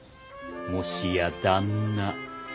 もしや旦那。